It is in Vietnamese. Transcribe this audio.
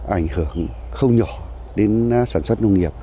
ảnh hưởng không nhỏ